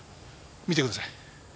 見てください。